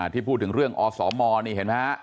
ที่พูดถึงเรื่องอสมนี่เห็นไหมฮะ